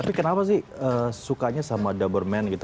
tapi kenapa sih sukanya sama doberman gitu